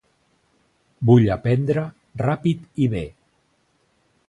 Vull aprendre ràpid i bè.